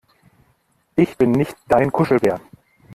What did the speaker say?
Ich bin nicht dein Kuschelbär!